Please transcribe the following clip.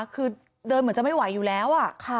คือเดินเหมือนจะไม่ไหวอยู่แล้ว